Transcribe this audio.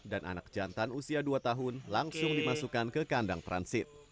dan anak jantan usia dua tahun langsung dimasukkan ke kandang transit